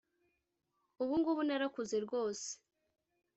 ubu ngubu narakuze rwose